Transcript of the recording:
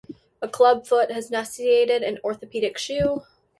A club foot had necessitated an orthopedic shoe.